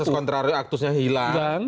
ases kontrari aktusnya hilang